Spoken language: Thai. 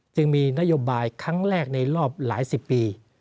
จึงมีนโยบายครั้งแรกในรอบหลายสิบปี